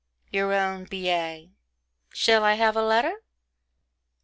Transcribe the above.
Your own BA. Shall I have a letter?